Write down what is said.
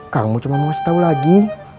kamu cuma mau kasih tahu lagi